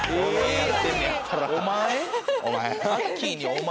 お前。